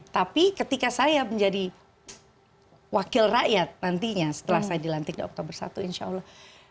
tapi ketika saya menjadi wakil rakyat nantinya setelah saya dilantik di oktober satu insya allah